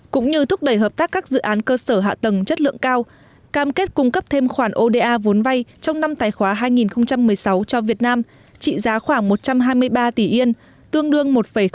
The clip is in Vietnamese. cũng như thúc đẩy hợp tác các dự án cơ sở hạ tầng chất lượng cao cam kết cung cấp thêm khoản oda vốn vay trong năm tài khoá hai nghìn một mươi sáu cho việt nam trị giá khoảng một trăm hai mươi ba tỷ yên tương đương một năm